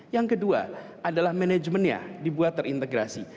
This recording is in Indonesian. yang kedua adalah manajemennya dibuat terintegrasi